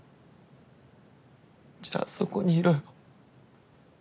じゃあそこにいろよ。